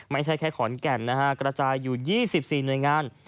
ไม่ใช่แค่ขอนแก่นนะฮะกระจายอยู่๒๔หน่วยงาน